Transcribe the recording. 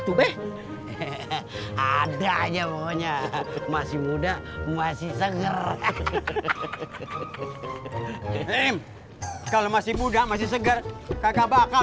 tuh be ada aja pokoknya masih muda masih seger hehehe kalau masih muda masih seger kagak bakal